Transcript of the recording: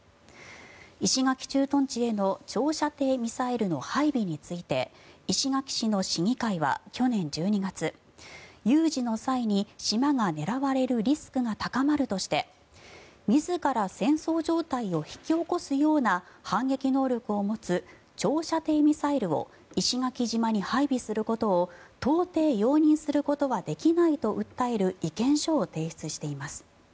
石垣駐屯地への長射程ミサイルの配備について石垣市の市議会は去年１２月有事の際に島が狙われるリスクが高まるとして自ら戦争状態を引き起こすような反撃能力を持つ長射程ミサイルを石垣島に配備することを到底、容認することはできないと訴える意見書を提出しています。